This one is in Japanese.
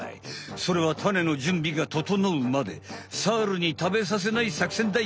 それはタネのじゅんびがととのうまでサルにたべさせないさくせんだい。